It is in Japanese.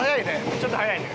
ちょっと速いね。